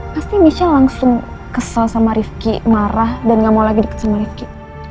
pasti misha langsung kesel sama rifki marah dan gak mau lagi deket sama rifki